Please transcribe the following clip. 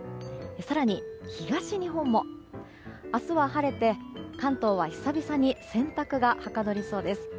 更に東日本も明日は晴れて関東は久々に洗濯がはかどりそうです。